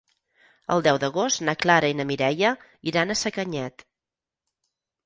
El deu d'agost na Clara i na Mireia iran a Sacanyet.